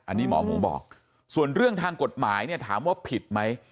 อันนี้หมอหมูบอกส่วนเรื่องทางกฎหมายเนี่ยถามว่าผิดไหม